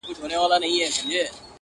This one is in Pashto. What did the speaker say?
زما او ستا په جدايۍ خوشحاله~